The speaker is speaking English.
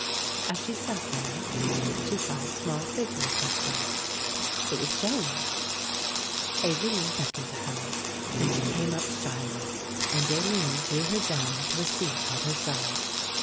As she sat there she saw a small figure approaching; it was Joan. Aline beckoned to her and she came up shyly and Aline drew her down to a seat at her side.